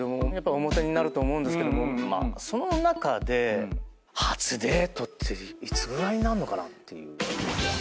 おモテになると思うんですけどその中で初デートっていつぐらいになんのかなっていう。